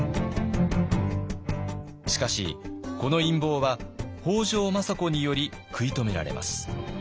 しかしこの陰謀は北条政子により食い止められます。